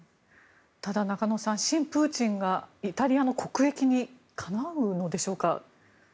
ただ、中野さん親プーチンがイタリアの国益にかなうのでしょうか。